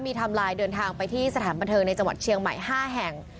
มีไทม์ไลน์เดินทางไปที่สถานบันเทิงในจังหวัดเชียงใหม่๕แห่ง